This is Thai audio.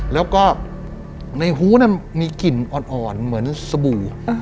แล้วก็ในหูมีกลิ่นอ่อนเหมือนสบู่